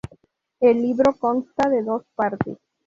El libro consta de dos partes.